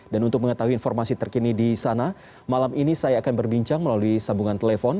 untuk mengetahui informasi terkini di sana malam ini saya akan berbincang melalui sambungan telepon